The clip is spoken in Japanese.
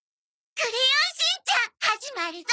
『クレヨンしんちゃん』始まるぞ。